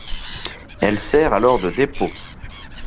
Elle sert alors de dépôt.